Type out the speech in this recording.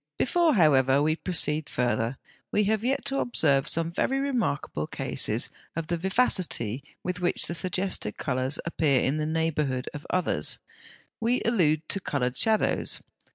Before, however, we proceed further, we have yet to observe some very remarkable cases of the vivacity with which the suggested colours appear in the neighbourhood of others: we allude to coloured shadows.